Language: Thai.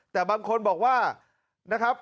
แต่บางคนบอกว่านะครับ